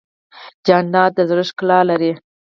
جانداد د زړه ښکلا لري.